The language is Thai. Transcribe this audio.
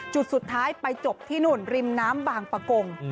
จุดสุดท้ายไปจบที่นู่นริมน้ำบางประกง